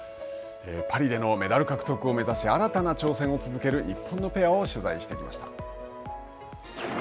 パリでのメダル獲得を目指し新たな挑戦を続ける日本のペアを取材してきました。